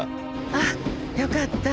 あっよかった。